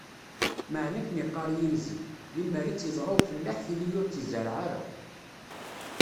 Meεna akken iqqar yinzi: limmer i tt-iẓra ufellaḥ tili ur tt-izerreɛ ara.